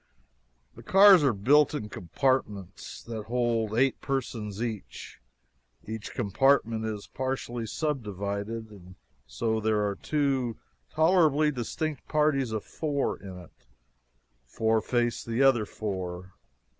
The cars are built in compartments that hold eight persons each. Each compartment is partially subdivided, and so there are two tolerably distinct parties of four in it. Four face the other four.